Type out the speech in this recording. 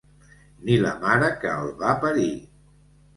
Ni la mare que el va parir.